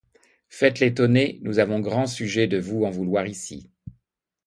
Faites l'étonné, nous avons grand sujet de vous en vouloir, ici.